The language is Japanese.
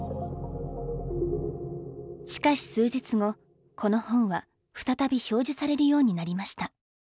しかし数日後この本は再び表示されるようになりました。